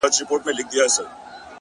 دعا “ دعا “دعا “ دعا كومه”